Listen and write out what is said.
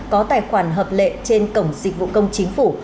có tài khoản hợp lệ trên cổng dịch vụ công chính phủ